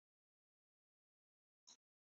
یہیں کی پیداوار نہیں؟